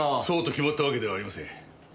そうと決まったわけではありません。